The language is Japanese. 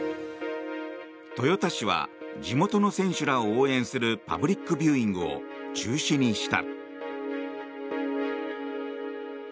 豊田市は地元の選手らを応援するパブリックビューイングを中止にした。